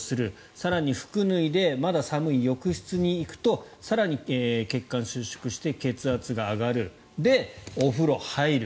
更に服を脱いでまだ寒い浴室に行くと更に血管が収縮して血圧が上がるで、お風呂入る。